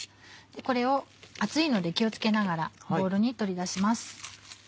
これを熱いので気を付けながらボウルに取り出します。